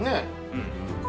うん。